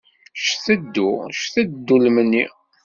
Cteddu, cteddu lemni.